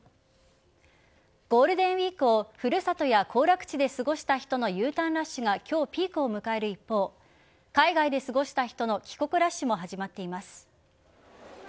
ゴールデンウイークを古里や行楽地で過ごした人のＵターンラッシュが今日、ピークを迎える一方海外で過ごした人の帰国ラッシュも始まっています。